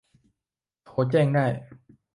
โทรแจ้งได้